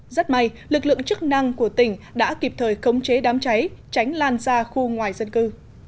rất may lực lượng chức năng của tỉnh đã kịp thời khống chế đám cháy tránh lan ra khu ngoài dân cư